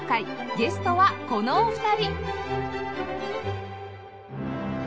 ゲストはこのお二人！